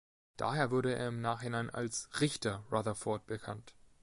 Daher wurde er im Nachhinein als „Richter“ Rutherford bekannt.